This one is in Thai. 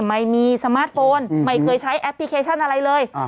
ไม่มีสมาร์ทโฟนไม่เคยใช้แอปพลิเคชันอะไรเลย